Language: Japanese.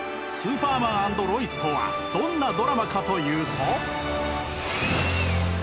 「スーパーマン＆ロイス」とはどんなドラマかというと。